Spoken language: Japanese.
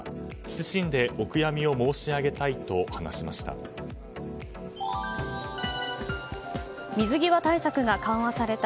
謹んでお悔やみを申し上げたいと話しました。